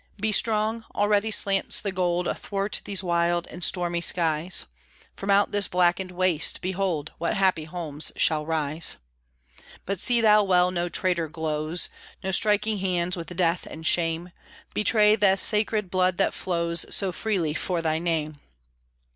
Be strong: already slants the gold Athwart these wild and stormy skies: From out this blackened waste, behold What happy homes shall rise! But see thou well no traitor gloze, No striking hands with Death and Shame, Betray the sacred blood that flows So freely for thy name.